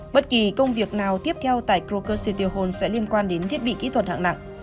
bất kỳ công việc nào tiếp theo tại krokosytyrhon sẽ liên quan đến thiết bị kỹ thuật hạng nặng